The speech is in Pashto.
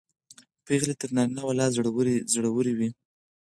پېغلې تر نارینه و لا زړورې وې.